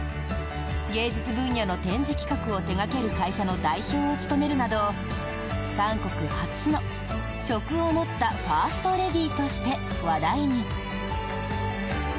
芸術分野の展示企画を手掛ける会社の代表を務めるなど韓国初の職を持ったファーストレディーとして話題に。